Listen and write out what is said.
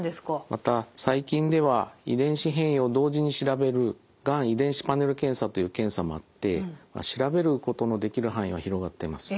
また最近では遺伝子変異を同時に調べるがん遺伝子パネル検査という検査もあって調べることのできる範囲は広がっています。